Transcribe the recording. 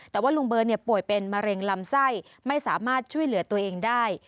แต่ว่าลุงเบิร์ตป่วยเป็นมะเร็งลำไส้ไม่สามารถช่วยเหลือตัวเองได้